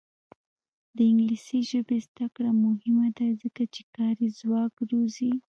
د انګلیسي ژبې زده کړه مهمه ده ځکه چې کاري ځواک روزي.